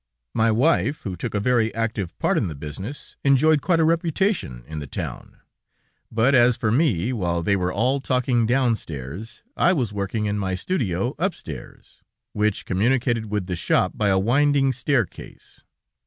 My wife, who took a very active part in the business, enjoyed quite a reputation in the town, but, as for me, while they were all talking downstairs, I was working in my studio upstairs, which communicated with the shop by a winding staircase.